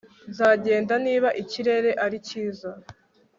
Nzagenda niba ikirere ari cyiza